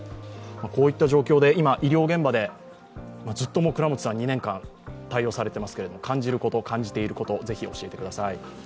こういった状況で今、医療現場でずっと倉持さん２年間対応されていますけれども感じること、感じていることをぜひ教えてください。